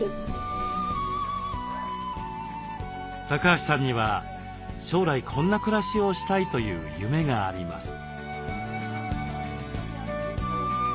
橋さんには将来こんな暮らしをしたいという夢があります。